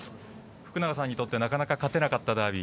福永さんにとってなかなか勝てなかったダービー。